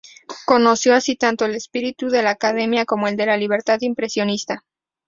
Conoció así tanto el espíritu de la academia como el de la libertad impresionista.